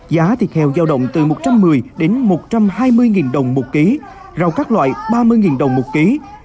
giá thịt heo giao động từ một trăm một mươi đến một trăm hai mươi đồng một ký rau các loại ba mươi đồng một ký